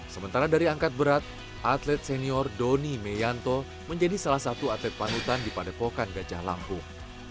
sementara dari angkat berat atlet senior doni meyanto menjadi salah satu atlet panutan di padepokan gajah lampung